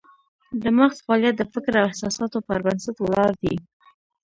د مغز فعالیت د فکر او احساساتو پر بنسټ ولاړ دی